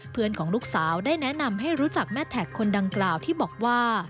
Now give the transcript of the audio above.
เพื่อนของลูกสาวได้แนะนำให้รู้จักแม่แท็กคนดังกล่าวที่บอกว่า